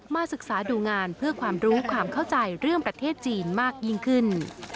ศึกษาดูงานเพื่อความรู้ความเข้าใจเรื่องประเทศจีนมากยิ่งขึ้น